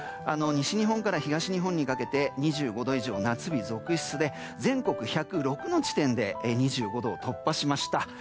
西日本から東日本にかけて２５度以上の夏日続出で全国１０６の地点で２５度を突破しました。